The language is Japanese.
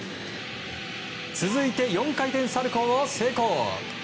続いて、４回転サルコウを成功。